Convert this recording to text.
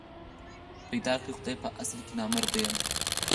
پيدا کړی خدای په اصل کي نامراد یم